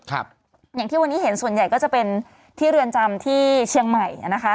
อย่างที่วันนี้เห็นส่วนใหญ่ก็จะเป็นที่เรือนจำที่เชียงใหม่อ่ะนะคะ